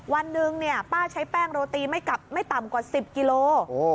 วันหนึ่งป้าใช้แป้งโรตีไม่ต่ำกว่า๑๐กิโล